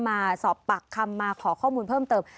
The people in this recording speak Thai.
มาสอบปากคำมาขอข้อมูลเพิ่มเติม